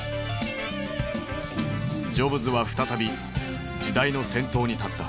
ジョブズは再び時代の先頭に立った。